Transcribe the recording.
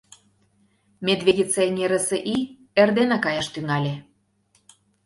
Медведица эҥерысе ий эрдене каяш тӱҥале.